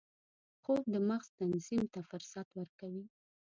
خوب د مغز تنظیم ته فرصت ورکوي